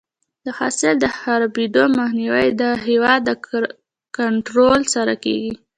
د حاصل د خرابېدو مخنیوی د هوا د کنټرول سره کیږي.